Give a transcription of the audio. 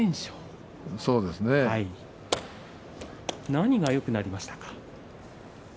何がよくなりましたか？